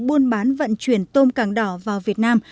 buôn bán vận chuyển tôm càng đỏ vào việt nam